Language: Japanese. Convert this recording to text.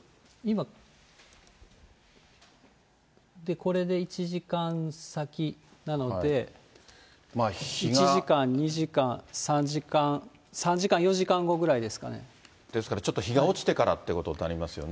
これで１時間先なので、１時間、２時間、３時間、ですから、ちょっと日が落ちてからってことになりますよね。